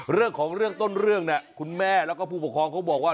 เรื่องของเรื่องต้นเรื่องเนี่ยคุณแม่แล้วก็ผู้ปกครองเขาบอกว่า